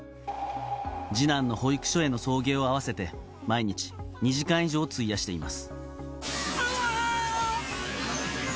次男の保育所への送迎を合わせて、毎日２時間以上を費やしています。